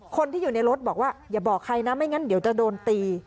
คนที่อยู่ในรถบอกว่าอย่าบอกใครนะไม่งั้นเดี๋ยวจะโดนตี